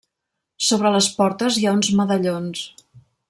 Sobre les portes hi ha uns medallons.